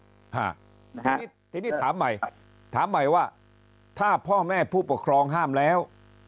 ทีนี้ทีนี้ถามใหม่ถามใหม่ว่าถ้าพ่อแม่ผู้ปกครองห้ามแล้ว